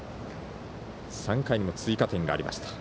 ３回にも追加点がありました。